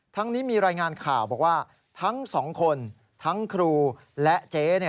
นี้มีรายงานข่าวบอกว่าทั้งสองคนทั้งครูและเจ๊